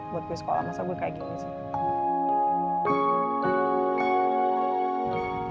buat gue sekolah masa gue kayak gini sih